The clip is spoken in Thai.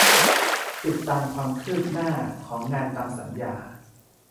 ติดตามความคืบหน้าของงานตามสัญญา